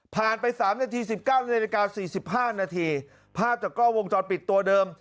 ไป๓นาที๑๙นาฬิกา๔๕นาทีภาพจากกล้องวงจรปิดตัวเดิม